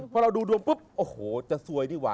พอเราดูดวงปุ๊บโอ้โหจะซวยดีกว่า